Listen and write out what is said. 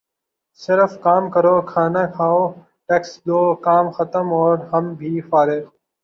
صرف کام کرو کھانا کھاؤ ٹیکس دو کام ختم اور ہم بھی فارخ